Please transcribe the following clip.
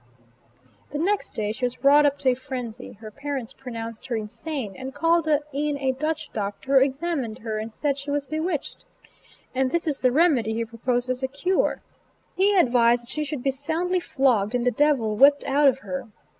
The next day she was wrought up to a frenzy. Her parents pronounced her insane, and called in a Dutch doctor who examined her and said she was "bewitched!" And this is the remedy he proposed as a cure; he advised that she should be soundly flogged, and the devil whipped out of her.